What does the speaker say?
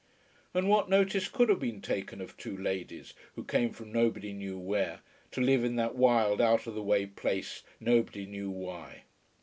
And what notice could have been taken of two ladies who came from nobody knew where, to live in that wild out of the way place, nobody knew why?